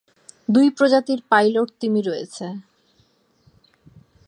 দুই প্রজাতির পাইলট তিমি রয়েছে।